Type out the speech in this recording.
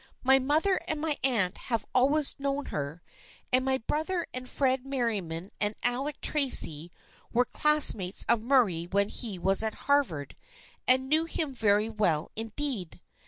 My mother and my aunt have always known her, and my brother and Fred Merriam and Alec Tracy were classmates of Murray when he was at Harvard and knew him very well indeed.